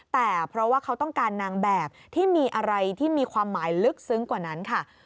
แต่เพราะว่าเขาต้องการนางแบบที่มีอะไรที่มีความหมายลึกซึ้งกว่านั้นค่ะ